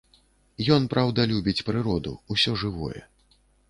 Ён праўда любіць прыроду, усё жывое.